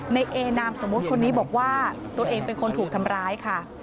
ในเอนามสมมุติคนนี้บอกว่าตัวเองเป็นคนถูกทำร้ายค่ะ